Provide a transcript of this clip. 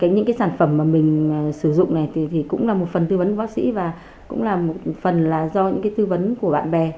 những cái sản phẩm mà mình sử dụng này thì cũng là một phần tư vấn của bác sĩ và cũng là một phần là do những tư vấn của bạn bè